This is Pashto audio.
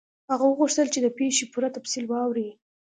هغه وغوښتل چې د پیښې پوره تفصیل واوري.